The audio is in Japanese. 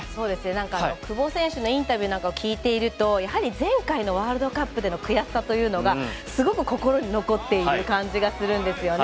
なんか久保選手のインタビューなんか聞いているとやはり前回のワールドカップでの悔しさというのがすごく心に残っている感じがするんですよね。